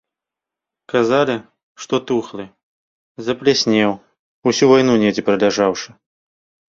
Казалі, што тухлы, заплеснеў, усю вайну недзе праляжаўшы.